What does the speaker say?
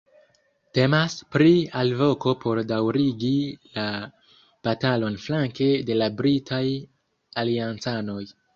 Temas pri alvoko por daŭrigi la batalon flanke de la britaj aliancanoj.